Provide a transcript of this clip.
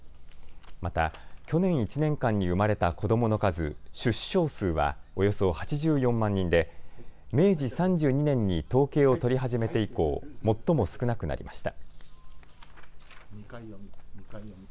また去年１年間に生まれた子どもの数、出生数はおよそ８４万人で明治３２年に統計を取り始めて以降、最も少なくなりました。